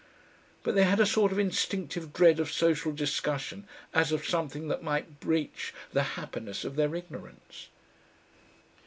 But they had a sort of instinctive dread of social discussion as of something that might breach the happiness of their ignorance....